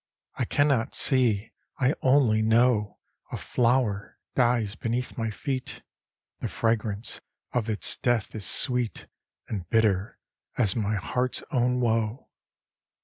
I can not see, I only know A flower dies beneath my feet; The fragrance of its death is sweet And bitter as my heart's own woe.